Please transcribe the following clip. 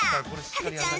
ハグちゃん